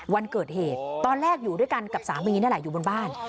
วันเกิดเหตุตอนแรกอยู่ด้วยกันกับสามีนั่นแหละอยู่บนบ้าน